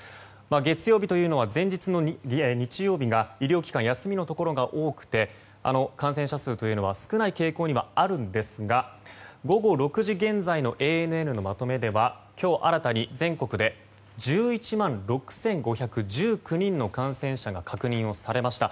月曜日というのは前日の日曜日は医療機関が休みのところが多くて感染者数というのは少ない傾向にはあるんですが午後６時現在のＡＮＮまとめでは今日新たに全国で１１万６５１９人の感染者が確認をされました。